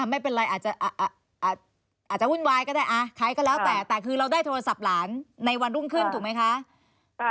ไม่เป็นไรอาจจะวุ่นวายก็ได้ใครก็แล้วแต่แต่คือเราได้โทรศัพท์หลานในวันรุ่งขึ้นถูกไหมคะ